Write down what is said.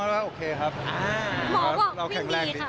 สัญลักษณ์ตรวจแล้วคือโอเคครับ